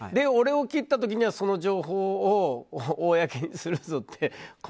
俺を切った時にはその情報を公にするぞって。